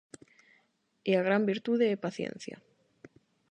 E a gran virtude e paciencia.